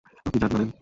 আপনি জাত মানেন!